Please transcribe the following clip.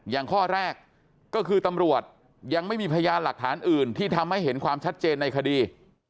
ข้อแรกก็คือตำรวจยังไม่มีพยานหลักฐานอื่นที่ทำให้เห็นความชัดเจนในคดี